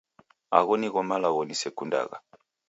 Agho nigho malagho nisekundagha